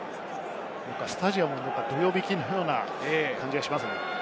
スタジアムもどよめきのような感じがします。